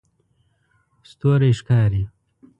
ستوری ښکاري